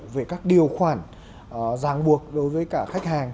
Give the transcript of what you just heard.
về các điều khoản ràng buộc đối với cả khách hàng